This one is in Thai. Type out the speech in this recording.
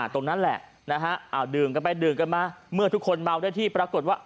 ตรงนั้นแหละนะฮะเอาดื่มกันไปดื่มกันมาเมื่อทุกคนเมาได้ที่ปรากฏว่า